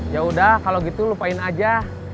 yaudah kalau gitu lupain aja